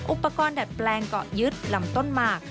อุปกรณ์ดัดแปลงเกาะยึดลำต้นหมาก